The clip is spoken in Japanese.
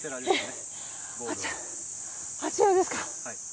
あちらですか。